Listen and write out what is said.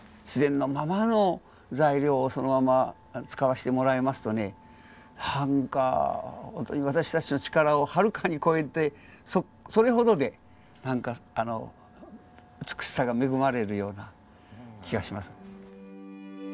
自然のままの材料をそのまま使わしてもらいますとねなんかほんとに私たちの力をはるかに超えてそれほどで美しさが恵まれるような気がします。